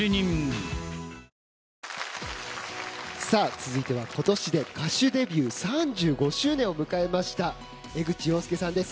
続いては、今年で歌手デビュー３５周年を迎えました江口洋介さんです。